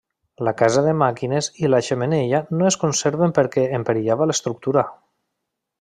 La casa de màquines i la xemeneia no es conserven perquè en perillava l’estructura.